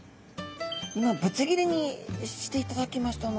今ぶつ切りにしていただきました。